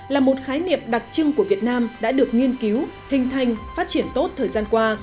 là một khái niệm đặc trưng của việt nam đã được nghiên cứu hình thành phát triển tốt thời gian qua